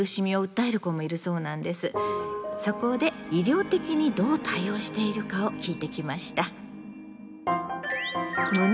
そこで医療的にどう対応しているかを聞いてきました。